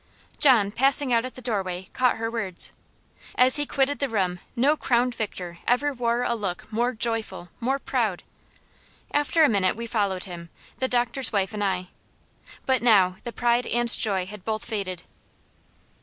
John, passing out at the doorway, caught her words. As he quitted the room no crowned victor ever wore a look more joyful, more proud. After a minute we followed him; the Doctor's wife and I. But now the pride and joy had both faded.